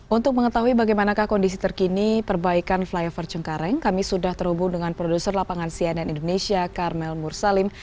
untuk mengetahui bagaimanakah kondisi terkini perbaikan flyover cengkareng kami sudah terhubung dengan produser lapangan cnn indonesia karmel mursalim